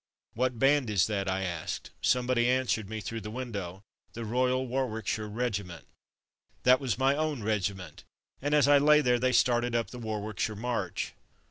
"What band is that?'' I asked. Somebody answered me through the win dow: "The Royal Warwickshire Regiment. '' That was my own regiment, and as I lay there they started up the Warwickshire march.